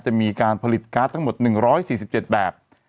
จะมีการผลิตการ์ดทั้งหมด๑๔๗แบบ